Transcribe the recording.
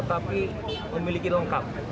tapi memiliki lengkap